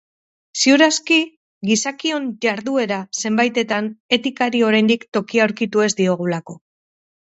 Ziur aski gizakion jarduera zenbaitetan etikari oraindik tokia aurkitu ez diogulako.